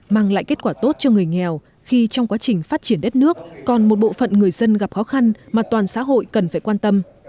mang lại kết quả tốt cho người nghèo khi trong quá trình phát triển đất nước còn một bộ phận người dân gặp khó khăn mà toàn xã hội cần phải quan tâm